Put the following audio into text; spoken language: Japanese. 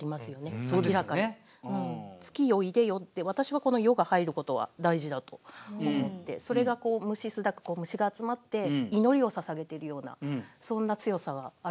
「月よ出でよ」って私はこの「よ」が入ることは大事だと思ってそれが「虫すだく」虫が集まって祈りを捧げているようなそんな強さがあるような気がするんですよね。